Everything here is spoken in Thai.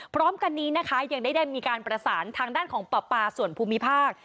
พร้อมกันนี้นะคะยังได้มีการประสานทางด้านของประปาส่วนภูมิภาค